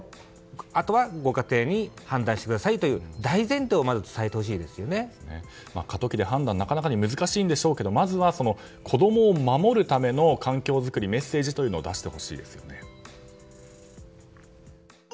あとはご家庭で判断してくださいという過渡期で判断はなかなか難しいんでしょうけどまずは子供を守るための環境作りメッセージというのを出してほしいですね。